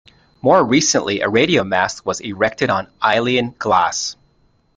More recently, a radio mast was erected on Eilean Glas.